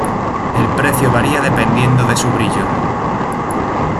El precio varía dependiendo de su brillo.